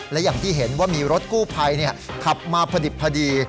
และอย่างที่เห็นว่ามีรถกู้ภัยขับมาพอดิบพอดี